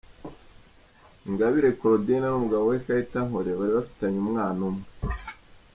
Ingabire Claudine n’umugabo we Kayitankore bari bafitanye umwana umwe.